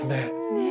ねえ。